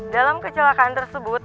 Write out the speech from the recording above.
dalam kecelakaan tersebut